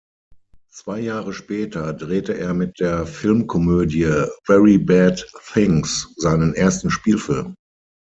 Zwei Jahre später drehte er mit der Filmkomödie "Very Bad Things" seinen ersten Spielfilm.